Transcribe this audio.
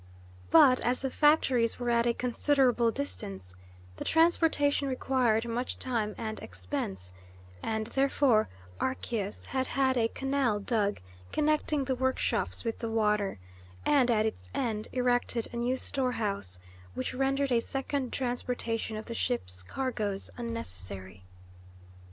But as the factories were at a considerable distance, the transportation required much time and expense, and therefore Archias had had a canal dug connecting the workshops with the water, and at its end erected a new storehouse, which rendered a second transportation of the ships' cargoes unnecessary.